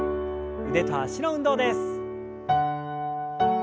腕と脚の運動です。